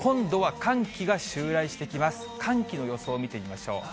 寒気の予想見てみましょう。